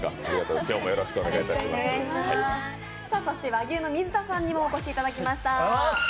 そして和牛の水田さんにもお越しいただきました。